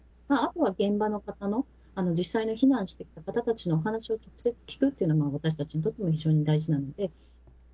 あとは現場の方の、実際に避難している方たちのお話を聞くというのも、私たちにとって非常に大事なので。